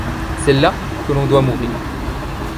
C’est là que l’on doit mourir !..